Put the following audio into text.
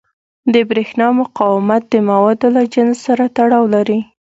د برېښنا مقاومت د موادو له جنس سره تړاو لري.